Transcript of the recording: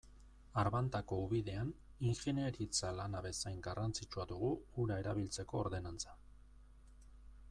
Arbantako ubidean ingeniaritza lana bezain garrantzitsua dugu ura erabiltzeko ordenantza.